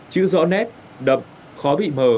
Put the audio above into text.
chữ rõ nét đậm khó bị mờ